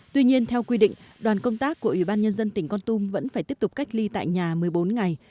tuy nhiên theo quy định đoàn công tác của ủy ban nhân dân tỉnh con tum vẫn phải tiếp tục cách ly tại nhà một mươi bốn ngày